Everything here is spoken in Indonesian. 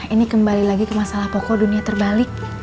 ini kembali lagi ke masalah pokok dunia terbalik